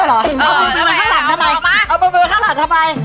เออเอามาเอามาเอามาข้างหลังทำไม